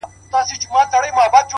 خدايه ښه نری باران پرې وكړې نن.!